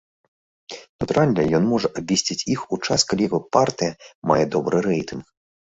Натуральна, ён можа абвесіць іх у час, калі яго партыя мае добры рэйтынг.